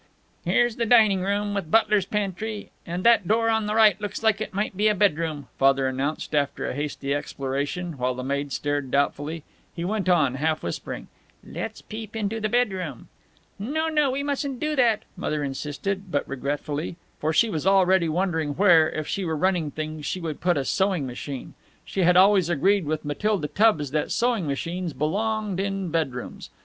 "Here's the dining room, with butler's pantry, and that door on the right looks like it might be a bedroom," Father announced, after a hasty exploration, while the maid stared doubtfully. He went on, half whispering, "Let's peep into the bedroom." "No, no, we mustn't do that," Mother insisted, but regretfully. For she was already wondering where, if she were running things, she would put a sewing machine. She had always agreed with Matilda Tubbs that sewing machines belonged in bedrooms.